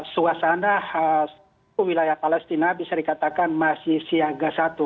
suasana wilayah palestina bisa dikatakan masih siaga satu